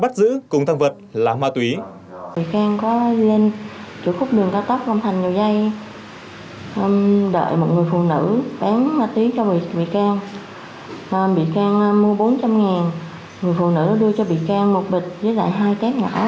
bị can mua bốn trăm linh người phụ nữ đưa cho bị can một bịch với lại hai cái nhỏ